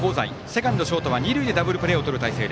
セカンド、ショートは二塁でダブルプレーをとる態勢。